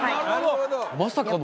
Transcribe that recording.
まさかの。